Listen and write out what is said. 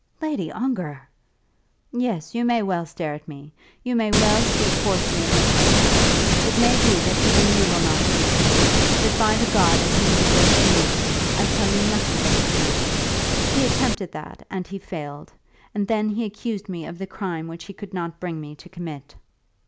"Lady Ongar!" "Yes; you may well stare at me. You may well speak hoarsely and look like that. It may be that even you will not believe me; but by the God in whom we both believe, I tell you nothing but the truth. He attempted that and he failed, and then he accused me of the crime which he could not bring me to commit."